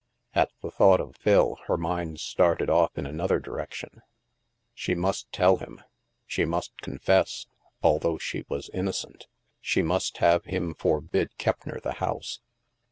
At the thought of Phil, her mind started off in another direction. She must tell him; she must confess (although she was innocent) ; she must have him forbid Keppner the house!